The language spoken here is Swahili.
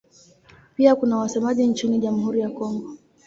Pia kuna wasemaji nchini Jamhuri ya Kongo.